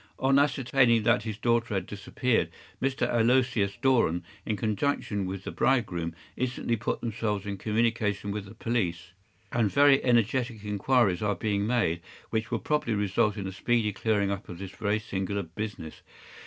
On ascertaining that his daughter had disappeared, Mr. Aloysius Doran, in conjunction with the bridegroom, instantly put themselves into communication with the police, and very energetic inquiries are being made, which will probably result in a speedy clearing up of this very singular business.